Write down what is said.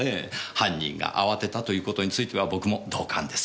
犯人が慌てたということについては僕も同感です。